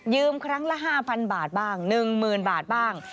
ครั้งละ๕๐๐บาทบ้าง๑๐๐๐บาทบ้าง